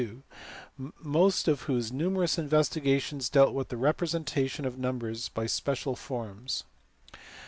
470), most of whose numerous investigations dealt with the representation of numbers by special forms.